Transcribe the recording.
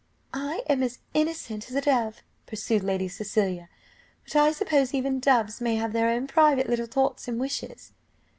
"I am as innocent as a dove," pursued Lady Cecilia; "but I suppose even doves may have their own private little thoughts and wishes."